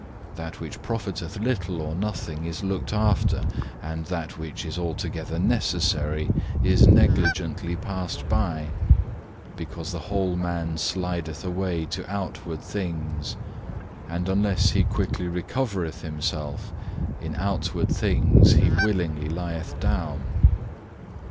That which profiteth little or nothing is looked after, and that which is altogether necessary is negligently passed by; because the whole man slideth away to outward things, and unless he quickly recovereth himself in outward things he willingly lieth down.